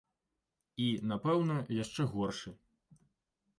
І, напэўна, яшчэ горшы.